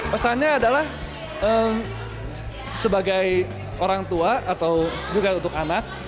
pesannya adalah sebagai orang tua atau juga untuk anak